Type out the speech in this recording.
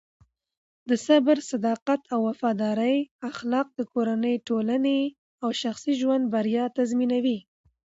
د صبر، صداقت او وفادارۍ اخلاق د کورنۍ، ټولنې او شخصي ژوند بریا تضمینوي.